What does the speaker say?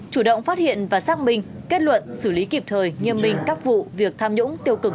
chủ động phát hiện và xác minh kết luận xử lý kịp thời nghiêm minh các vụ việc tham nhũng tiêu cực